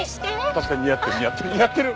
確かに似合ってる似合ってる似合ってる！